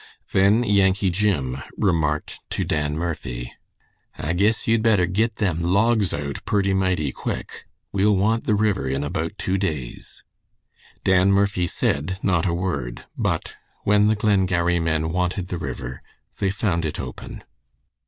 Then Yankee Jim remarked to Dan Murphy, "I guess you'd better git them logs out purty mighty quick. We'll want the river in about two days." Dan Murphy said not a word, but when the Glengarry men wanted the river they found it open.